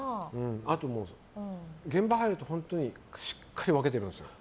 あと、現場入ると本当にしっかり分けてるんですよ。